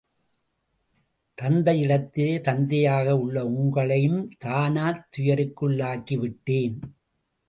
தந்தை இடத்திலே தந்தையாக உள்ள உங்களையும் தானாத் துயருக்குள்ளாக்கிவிட்டேன்.